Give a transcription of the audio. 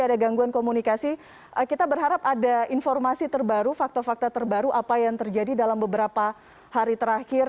ada gangguan komunikasi kita berharap ada informasi terbaru fakta fakta terbaru apa yang terjadi dalam beberapa hari terakhir